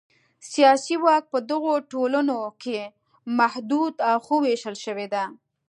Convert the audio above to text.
سیاسي واک په دغو ټولنو کې محدود او ښه وېشل شوی دی.